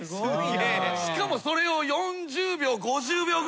しかもそれを４０秒５０秒ぐらいかけて。